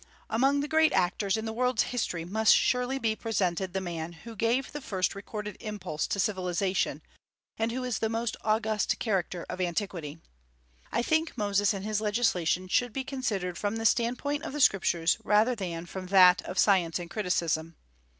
Among the great actors in the world's history must surely be presented the man who gave the first recorded impulse to civilization, and who is the most august character of antiquity. I think Moses and his legislation should be considered from the standpoint of the Scriptures rather than from that of science and criticism.